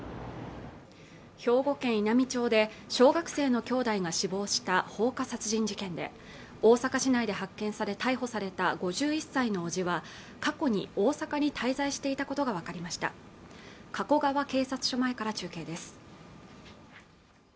兵庫県稲美町で小学生の兄弟が死亡した放火殺人事件で大阪市内で発見され逮捕された５１歳の伯父は過去に大阪に滞在していたことが分かりました加古川警察署前から中継です